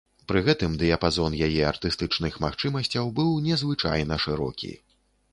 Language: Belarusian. Пры гэтым, дыяпазон яе артыстычных магчымасцяў быў незвычайна шырокі.